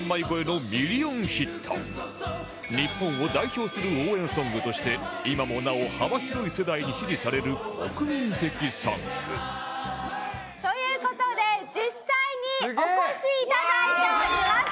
日本を代表する応援ソングとして今もなお幅広い世代に支持される国民的ソングという事で実際にお越しいただいております。